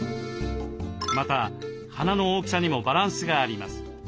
また花の大きさにもバランスがあります。